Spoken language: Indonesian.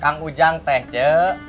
kang ujang teh cek